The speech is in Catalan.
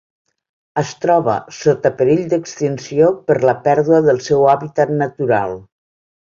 Es troba sota perill d'extinció per la pèrdua del seu hàbitat natural.